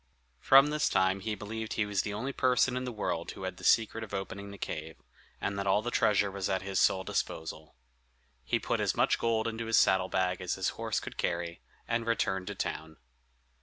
From this time he believed he was the only person in the world who had the secret of opening the cave, and that all the treasure was at his sole disposal. He put as much gold into his saddle bag as his horse could carry, and returned to town.